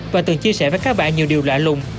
và từng chia sẻ với các bạn nhiều điều lạ lùng